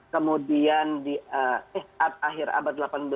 kemudian di eh akhir abad delapan belas